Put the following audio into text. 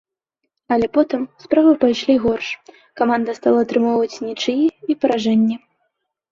Але потым справы пайшлі горш, каманда стала атрымоўваць нічыі і паражэнні.